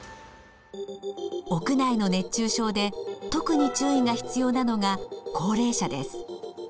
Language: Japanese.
屋内の熱中症で特に注意が必要なのが高齢者です。